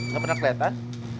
gak pernah keliatan